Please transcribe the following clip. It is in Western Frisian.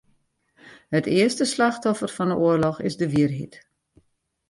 It earste slachtoffer fan 'e oarloch is de wierheid.